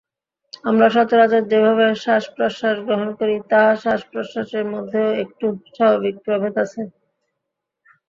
আমরা সচরাচর যেভাবে শ্বাসপ্রশ্বাস গ্রহণ করি, তাহা শ্বাসপ্রশ্বাসের মধ্যেও একটু স্বাভাবিক প্রভেদ আছে।